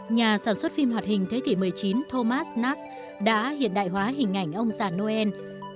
nhà sản xuất phim hoạt hình thế kỷ một mươi chín thomas nas đã hiện đại hóa hình ảnh ông già noel